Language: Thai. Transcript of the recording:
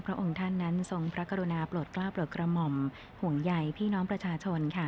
องค์ท่านนั้นทรงพระกรุณาโปรดกล้าโปรดกระหม่อมห่วงใหญ่พี่น้องประชาชนค่ะ